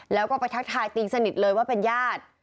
แล้วก็ไปทักทายตีสนิทเลยว่าเป็นญาติ